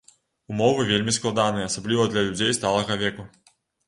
Умовы вельмі складаныя, асабліва для людзей сталага веку.